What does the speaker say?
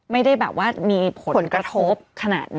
ไม่ได้มีผลกระโทษขนาดนั้น